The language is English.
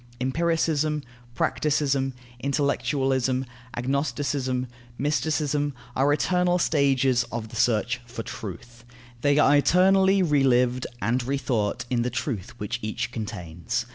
Empiricism, practicism, intellectualism, agnosticism, mysticism, are eternal stages of the search for truth. They are eternally relived and rethought in the truth which each contains.